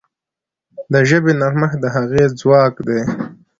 د ژبې نرمښت د هغې ځواک دی.